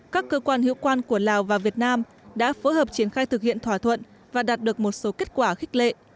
các cơ quan hiệu quan của lào và việt nam đã phối hợp triển khai thực hiện thỏa thuận và đạt được một số kết quả khích lệ